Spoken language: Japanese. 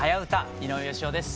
井上芳雄です。